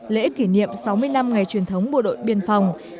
lễ kỷ niệm sáu mươi năm ngày truyền thống bộ đội biên phòng